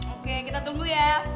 oke kita tunggu ya